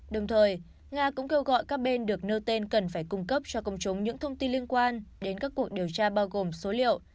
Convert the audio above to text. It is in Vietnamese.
đồng thời nga cũng kêu gọi các bên được nêu tên cần phải cung cấp cho công chúng những thông tin liên quan đến các cuộc điều tra bao gồm số liệu